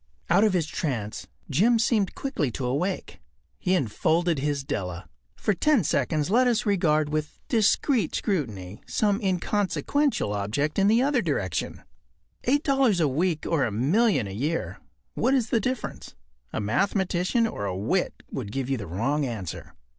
” Out of his trance Jim seemed quickly to wake. He enfolded his Della. For ten seconds let us regard with discreet scrutiny some inconsequential object in the other direction. Eight dollars a week or a million a year—what is the difference? A mathematician or a wit would give you the wrong answer.